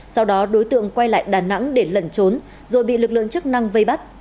sau đó đối tượng quay lại đà nẵng để lẩn trốn rồi bị lực lượng chức năng vây bắt